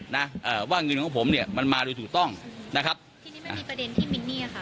เอ่อว่าเงินของผมเนี้ยมันมาโดยถูกต้องนะครับทีนี้มันมีประเด็นที่มินนี่อ่ะค่ะ